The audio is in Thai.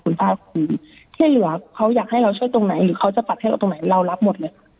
คุณป้าครูที่เหลือเขาอยากให้เราช่วยตรงไหนหรือเขาจะปัดให้เราตรงไหนเรารับหมดเลยค่ะ